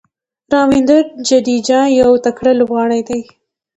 راوېندر جډیجا یو تکړه لوبغاړی دئ.